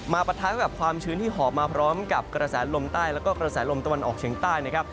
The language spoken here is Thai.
ปะทะกับความชื้นที่หอบมาพร้อมกับกระแสลมใต้แล้วก็กระแสลมตะวันออกเฉียงใต้นะครับ